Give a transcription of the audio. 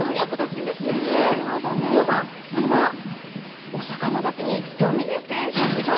いわばこれはお魚だけにギョミュニケーションですね。